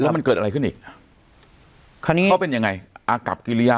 แล้วมันเกิดอะไรขึ้นอีกคราวนี้เขาเป็นยังไงอากับกิริยา